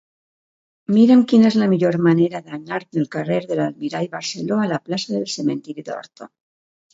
Mira'm quina és la millor manera d'anar del carrer de l'Almirall Barceló a la plaça del Cementiri d'Horta.